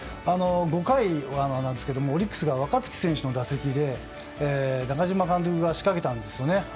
５回ですけどオリックスが若月選手の打席で中嶋監督が仕掛けたんですよね。